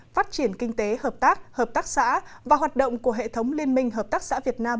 phát triển kinh tế hợp tác hợp tác xã và hoạt động của hệ thống liên minh hợp tác xã việt nam